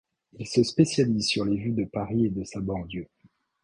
Il se spécialise sur les vues de Paris et de sa banlieue.